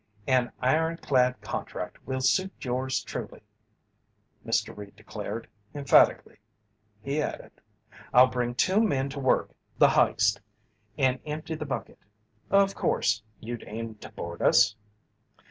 "An iron clad contract will suit yours truly," Mr. Reed declared, emphatically. He added: "I'll bring two men to work the h'ist and empty the bucket. Of course you'd aim to board us?"